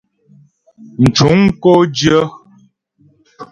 Mcuŋ kó dyə̂.